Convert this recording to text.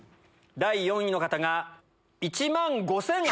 第４位の方が１万５８００円。